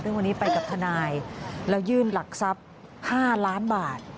ซึ่งวันนี้ไปกับทนายแล้วยื่นหลักทรัพย์๕ล้านบาท